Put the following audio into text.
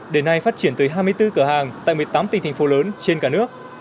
đến nay phát triển tới hai mươi bốn cửa hàng tại một mươi tám tỉnh thành phố lớn trên cả nước